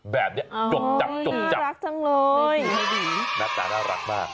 แบบนี้จบจับจบจับโอ้โฮน่ารักจังเลยน่ารักมาก